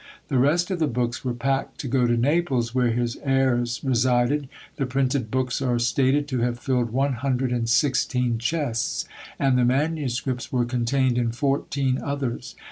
The rest of the books were packed to go to Naples, where his heirs resided. The printed books are stated to have filled one hundred and sixteen chests, and the manuscripts were contained in fourteen others.